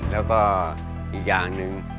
แล้วก็อีกอย่างหนึ่ง